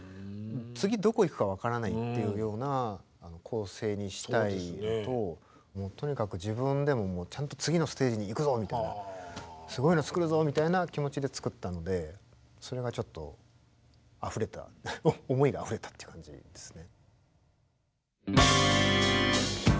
次どこ行くか分からないっていうような構成にしたいのととにかく自分でもちゃんと次のステージに行くぞみたいなすごいの作るぞみたいな気持ちで作ったのでそれがちょっとあふれた思いがあふれたっていう感じですね。